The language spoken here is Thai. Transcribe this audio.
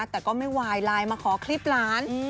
แต่ก็ไม่วายไลน์มาขอคลิปหลาน